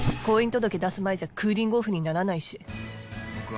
婚姻届出す前じゃクーリングオフにならないし！